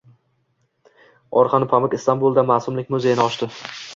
Orhan Pamuk Istanbulda “Ma’sumlik muzeyi”ni ochdi